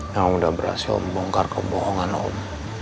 yang udah berhasil om bongkar kebohongan om